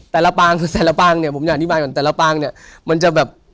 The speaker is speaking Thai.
ปางคือแต่ละปางเนี่ยผมอยากอธิบายก่อนแต่ละปางเนี่ยมันจะแบบ